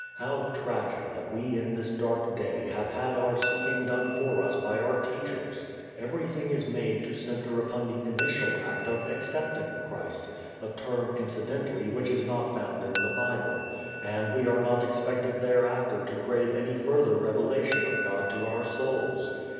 How tragic that we in this dark day have had our seeking done for us by our teachers. Everything is made to center upon the initial act of "accepting" Christ (a term, incidentally, which is not found in the Bible) and we are not expected thereafter to crave any further revelation of God to our souls.